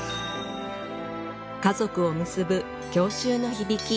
家族を結ぶ郷愁の響き